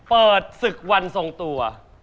เปิดศึกวันทรงตัว